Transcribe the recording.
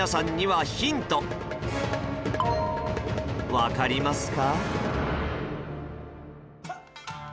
わかりますか？